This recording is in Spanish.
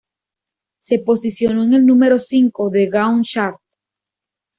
Se posicionó en el número cinco de Gaon Chart.